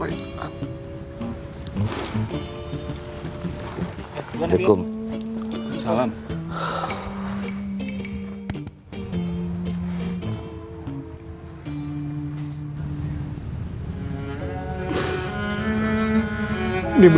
baru aja baru kau seeing different times